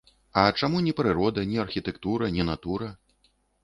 А чаму не прырода, не архітэктара, не натура?